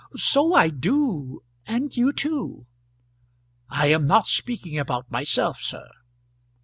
"So I do; and you too." "I am not speaking about myself sir.